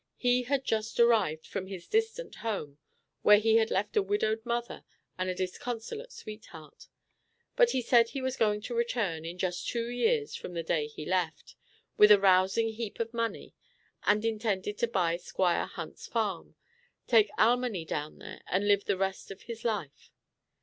He had just arrived from his distant home, where he had left a widowed mother and a disconsolate sweetheart. But he said he was going to return, in just two years from the day he left, with a "rousing heap" of money, and intended to buy "Squire Hunt's farm," take Alminy down there, and live the rest of his life.